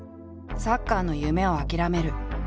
サッカーの夢を諦める。